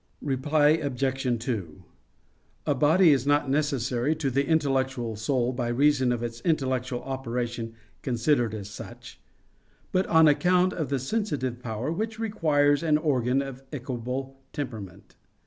Reply Obj. 2: A body is not necessary to the intellectual soul by reason of its intellectual operation considered as such; but on account of the sensitive power, which requires an organ of equable temperament.